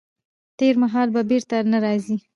تېر مهال به بیرته نه راځي.